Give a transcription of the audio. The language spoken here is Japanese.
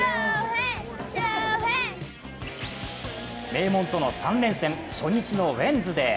名門との３連戦初日のウエンズデー。